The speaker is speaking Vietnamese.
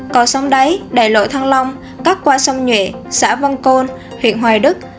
cầu sông đáy đài lộ thăng long các qua sông nhuệ xã văn côn huyện hoài đức